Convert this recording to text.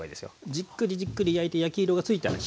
じっくりじっくり焼いて焼き色がついたらひっくり返すね。